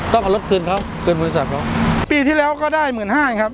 ต้องเอารถคืนเขาคืนบริษัทเขาปีที่แล้วก็ได้หมื่นห้าครับ